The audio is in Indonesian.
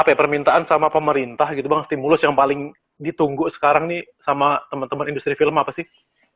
apa ya permintaan sama pemerintah gitu bang stimulus yang paling ditunggu sekarang nih sama teman teman industri film apa sih